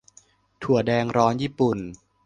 - ถั่วแดงร้อนญี่ปุ่น